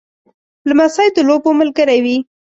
لمسی د لوبو ملګری وي.